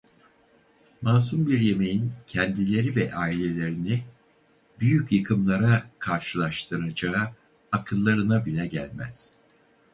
Masum bir yemeğin kendileri ve ailelerini büyük yıkımlara karşılaştıracağı akıllarına bile gelmez.